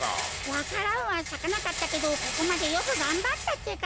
わか蘭はさかなかったけどここまでよくがんばったってか。